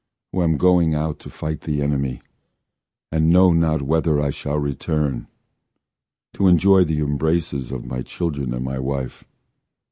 Who am going out to fight the enemy, And know not whether I shall return again, To enjoy the embraces of my children And my wife.